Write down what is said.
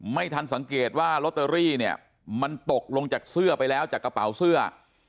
ไม่ทันสังเกตว่าลอตเตอรี่เนี่ยมันตกลงจากเสื้อไปแล้วจากกระเป๋าเสื้อ